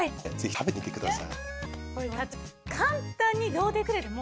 これねぜひ食べてみてください。